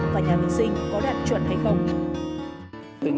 và nhà vệ sinh có đạt chuẩn hay không